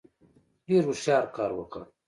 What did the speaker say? ډېر هوښیار کار وکړ.